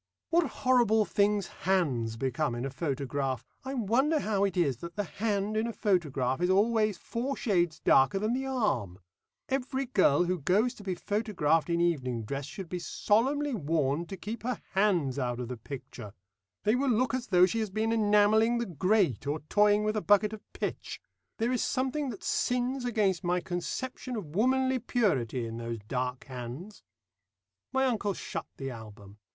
What horrible things hands become in a photograph! I wonder how it is that the hand in a photograph is always four shades darker than the arm. Every girl who goes to be photographed in evening dress should be solemnly warned to keep her hands out of the picture. They will look as though she has been enamelling the grate, or toying with a bucket of pitch. There is something that sins against my conception of womanly purity in those dark hands." My uncle shut the album.